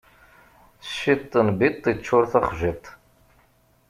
Ciṭ n biṭ iččuṛ taxjiḍt.